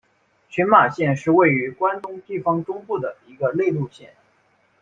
群马县是位于关东地方中部的一个内陆县。